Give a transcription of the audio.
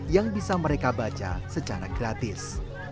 yang bisa mereka baca secara gratis